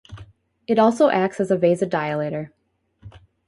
It also acts as a vasodilator.